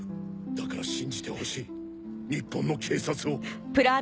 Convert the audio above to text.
だから信じてほしい日本の警察を。